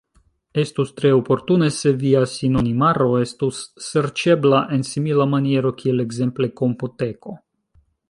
Estus tre oportune, se via sinonimaro estus serĉebla en simila maniero kiel ekzemple Komputeko.